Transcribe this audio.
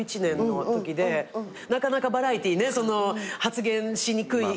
なかなかバラエティーね発言しにくい。